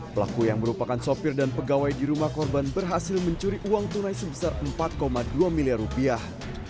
pelaku yang merupakan sopir dan pegawai di rumah korban berhasil mencuri uang tunai sebesar empat dua miliar rupiah